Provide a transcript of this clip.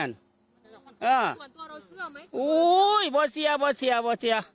นั่นอ่าตัวเราเชื่อไหมโอ้ยไม่เสียไม่เสียไม่เสีย